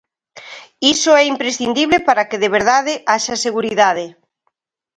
Iso é imprescindible para que de verdade haxa seguridade.